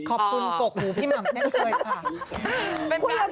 คุยกับกรกหูพี่หมำแน่นเกินค่ะ